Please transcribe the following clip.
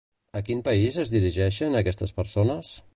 A quin país es dirigeixen aquestes persones?